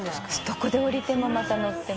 「どこで降りてもまた乗っても」